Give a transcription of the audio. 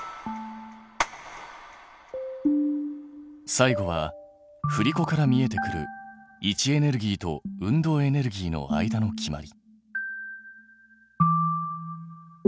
最後はふりこから見えてくる位置エネルギーと運動エネルギーの間の決まり。